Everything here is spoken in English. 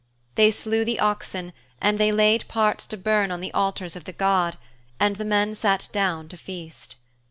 They slew the oxen and they laid parts to burn on the altars of the god, and the men sat down to feast.